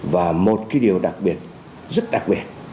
và một điều đặc biệt rất đặc biệt